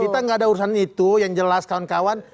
kita nggak ada urusan itu yang jelas kawan kawan